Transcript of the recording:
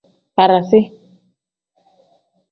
Barasi.